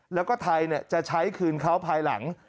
แล้วก็ไทยจะใช้คืนเขาภายหลัง